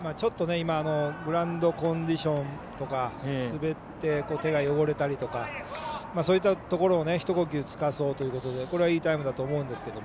グラウンドコンディションとか滑って手が汚れたりとかそういったところで一呼吸落ち着かせようといういいタイムだと思います。